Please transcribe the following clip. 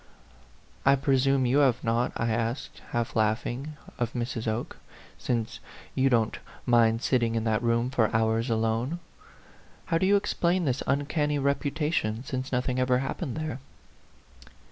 "I presume you have not," I asked, half laughing, of Mrs. Oke, "since you don't mind 66 A PHANTOM LOVER. sitting in that room for hours alone? How do you explain this uncanny reputation, since nothing ever happened there